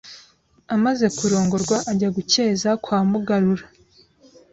amaze kurongorwa ajya gukeza kwa Mugarura